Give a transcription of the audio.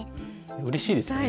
うれしいですよね。